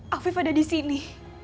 afif ada disini